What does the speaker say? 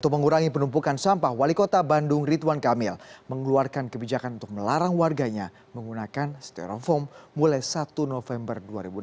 untuk mengurangi penumpukan sampah wali kota bandung ridwan kamil mengeluarkan kebijakan untuk melarang warganya menggunakan stereofoam mulai satu november dua ribu enam belas